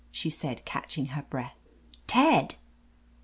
she said, catch ing her breath. "Ted!"